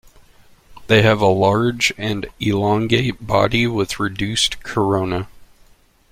They have a large and elongate body with reduced corona.